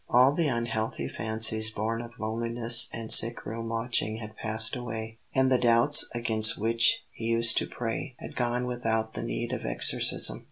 All the unhealthy fancies born of loneliness and sick room watching had passed away, and the doubts against which he used to pray had gone without the need of exorcism.